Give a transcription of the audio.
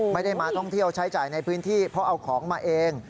ไม่ได้มาท่องเที่ยวใช้จ่ายในพื้นที่เพราะเอาของมาเอง